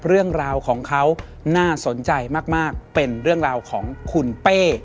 เรื่องราวของเขาน่าสนใจมากเป็นเรื่องราวของคุณเป้